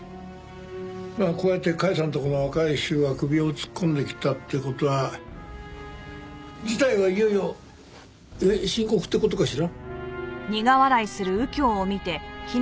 まあこうやって甲斐さんとこの若い衆が首を突っ込んできたって事は事態はいよいよ深刻って事かしら？